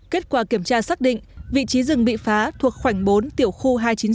kết quả kiểm tra xác định vị trí rừng bị phá thuộc khoảnh bốn tiểu khu hai trăm chín mươi sáu